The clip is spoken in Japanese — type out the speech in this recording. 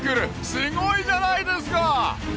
すごいじゃないですか！